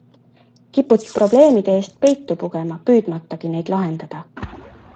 Kipud probleemide eest peitu pugema, püüdmatagi neid lahendada.